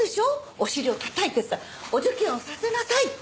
お尻をたたいてさお受験をさせなさいって。